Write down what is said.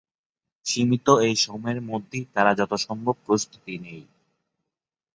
সীমিত এ সময়ের মধ্যেই তারা যথাসম্ভব প্রস্তুতি নেয়।